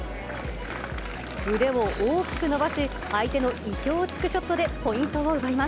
腕を大きく伸ばし、相手の意表をつくショットでポイントを奪いま